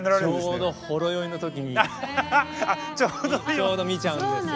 ちょうどほろ酔いのときにちょうど見ちゃうんですよ。